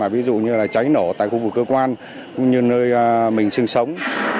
ví dụ như là cháy nổ tại khu vực cơ quan cũng như nơi mình sinh sống